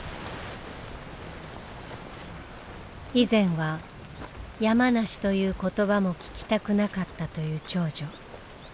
以前は「山梨」という言葉も聞きたくなかったという長女。